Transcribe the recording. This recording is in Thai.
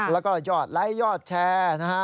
แล้วก็ยอดไลค์ยอดแชร์นะฮะ